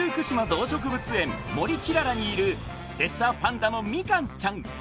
動植物園森きららにいるレッサーパンダのみかんちゃん